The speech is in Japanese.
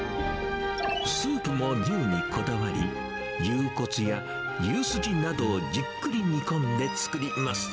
スープも牛にこだわり、牛骨や牛筋などをじっくり煮込んで作ります。